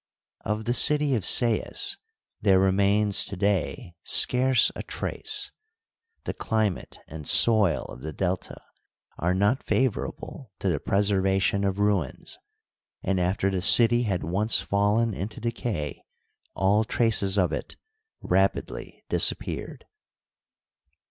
Of the city of Sais there remains to day scarce a trace ; the cli mate and soil of the Delta are not favorable to the pres ervation of ruins, and after the city had once fallen into decay all traces of it rapidlv disappeared.